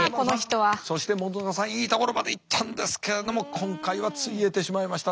そして本さんいいところまでいったんですけれども今回はついえてしまいました。